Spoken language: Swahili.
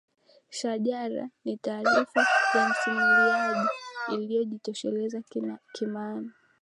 shajara ni taarifa ya msimuliaji isiyojitosheleza kimaana